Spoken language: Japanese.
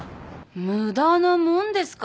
無駄なもんですか。